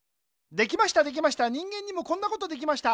できましたできました人間にもこんなことできました。